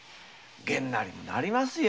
げんなりにもなりますよ。